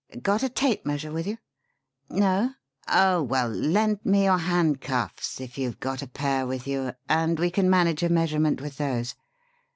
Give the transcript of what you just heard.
Got a tape measure with you? No? Oh, well, lend me your handcuffs, if you've got a pair with you, and we can manage a measurement with those.